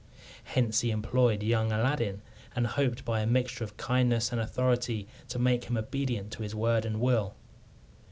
Hence he employed young Aladdin, and hoped by a mixture of kindness and authority to make him obedient to his word and will.